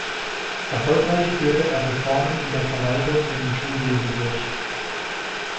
Erfolgreich führte er Reformen in der Verwaltung und im Schulwesen durch.